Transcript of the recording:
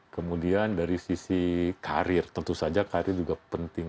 kemudian dari sisi karir tentu saja karir juga penting